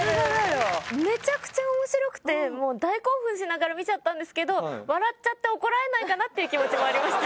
めちゃくちゃ面白くてもう大興奮しながら見ちゃったんですけど笑っちゃって怒られないかなっていう気持ちもありました。